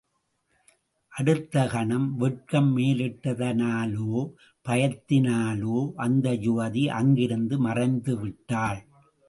அடுத்த கணம் வெட்கம் மேலிட்டதனாலோ, பயத்தினாலோ அந்த யுவதி அங்கிருந்து மறைந்துவிட்டாள்.